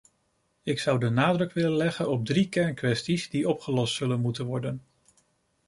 Ik zou de nadruk willen leggen op drie kernkwesties die opgelost zullen moeten worden.